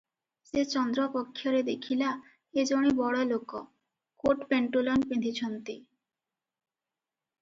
ସେ ଚନ୍ଦ୍ର ପକ୍ଷରେ ଦେଖିଲା ଏ ଜଣେ ବଡ଼ଲୋକ- କୋଟପେଣ୍ଟୁଲନ ପିନ୍ଧିଚନ୍ତି ।